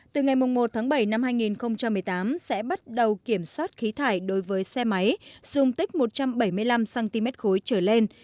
từ ngày một tháng bảy năm hai nghìn một mươi tám sẽ bắt đầu kiểm soát khí thải đối với xe máy dùng tích một trăm bảy mươi năm cm khối trở lên